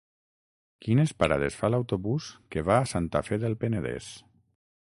Quines parades fa l'autobús que va a Santa Fe del Penedès?